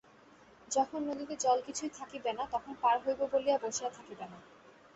যখন নদীতে জল কিছুই থাকিবে না, তখন পার হইব বলিয়া বসিয়া থাকিবে না।